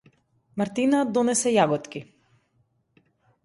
Мартина донесе јаготки.